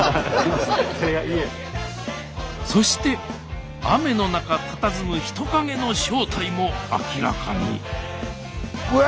そして雨の中たたずむ人影の正体も明らかにえ！